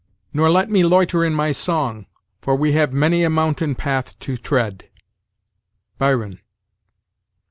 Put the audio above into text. nor let me loiter in my song, For we have many a mountain path to tread." Byron.